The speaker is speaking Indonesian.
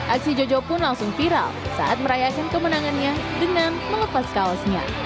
aksi jojo pun langsung viral saat merayakan kemenangannya dengan melepas kaosnya